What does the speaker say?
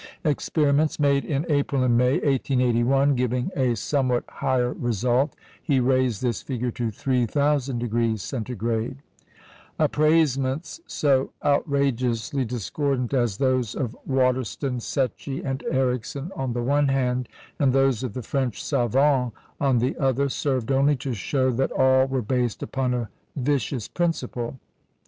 Experiments made in April and May, 1881, giving a somewhat higher result, he raised this figure to 3,000° C. Appraisements so outrageously discordant as those of Waterston, Secchi, and Ericsson on the one hand, and those of the French savants on the other, served only to show that all were based upon a vicious principle.